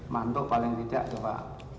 manduk paling tidak coba